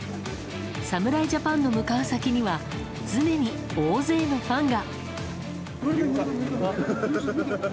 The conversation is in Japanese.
侍ジャパンの向かう先には常に大勢のファンが。